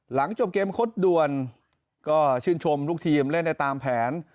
หลังจบเกมคดด่วนก็ชื่นชมลูกทีมเล่นได้ตามแผน